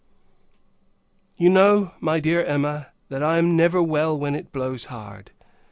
You know, my dear Emma, that I am never well when it blows hard.